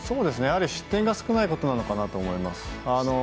失点が少ないことなのかなと思います。